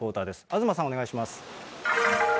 東さん、お願いします。